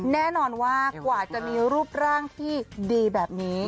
แน่นอนว่ากว่าจะมีรูปร่างที่ดีแบบนี้